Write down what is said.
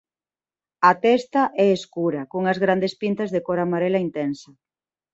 A testa é escura cunhas grandes pintas de cor amarela intensa.